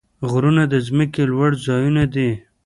غرونه د ځمکې لوړ ځایونه دي.